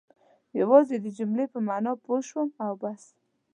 یوازې د جملې په معنا پوه شوم او بس.